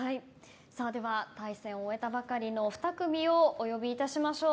では対戦を終えたばかりの２組をお呼びいたしましょう。